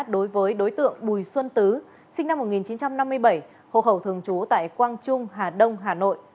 đối với đối tượng bùi xuân tứ sinh năm một nghìn chín trăm năm mươi bảy hộ khẩu thường trú tại quang trung hà đông hà nội